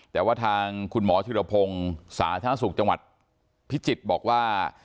แต่ว่าทางคุณหมอธิรพงศ์สาธารณสุขจังหวัดพิจิตรบอกว่า